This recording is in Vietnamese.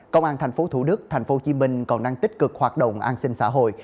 công an tp thủ đức tp hcm còn đang tích cực hoạt động an sinh xã hội